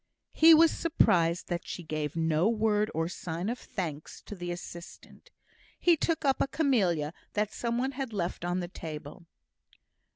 He was surprised that she gave no word or sign of thanks to the assistant. He took up a camellia that some one had left on the table.